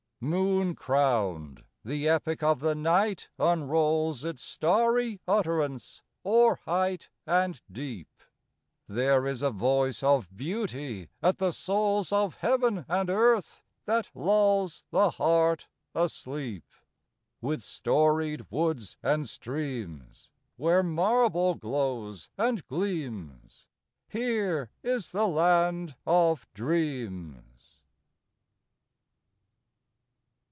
IV Moon crowned the epic of the night unrolls Its starry utterance o'er height and deep; There is a voice of beauty at the souls Of heaven and earth that lulls the heart asleep. With storied woods and streams, Where marble glows and gleams, Here is the land of Dreams.